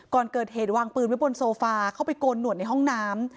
ก่อนเกิดเหตุวางปืนไว้บนโซฟาเข้าไปโกนหนวดในห้องน้ำ